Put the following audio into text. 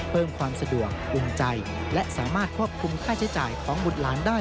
เพิ่มความสะดวกภูมิใจและสามารถควบคุมค่าใช้จ่ายของบุตรหลานได้